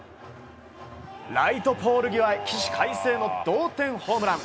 ライトポール際へ起死回生の同点ホームラン！